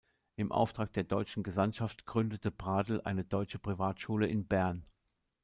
Im Auftrag der deutschen Gesandtschaft gründete Pradel eine deutsche Privatschule in Bern.